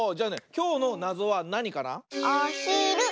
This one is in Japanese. きょうのなぞはなにかな？